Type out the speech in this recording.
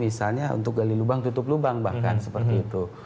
misalnya untuk gali lubang tutup lubang bahkan seperti itu